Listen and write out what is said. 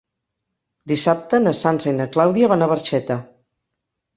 Dissabte na Sança i na Clàudia van a Barxeta.